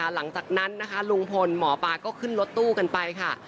หลังจากนั้นนะคะลุงพลหมอปลาก็ขึ้นรถตู้กันไปค่ะ